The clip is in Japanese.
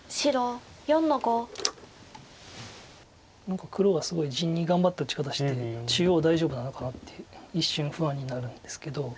何か黒がすごい地に頑張った打ち方して中央大丈夫なのかなって一瞬不安になるんですけど。